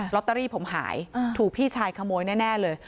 อตเตอรี่ผมหายถูกพี่ชายขโมยแน่เลย